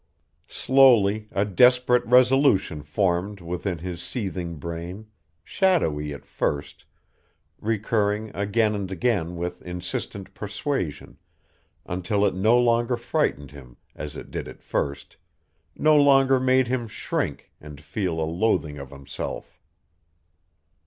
Slowly a desperate resolution formed within his seething brain, shadowy at first, recurring again and again with insistent persuasion, until it no longer frightened him as it did at first, no longer made him shrink and feel a loathing of himself.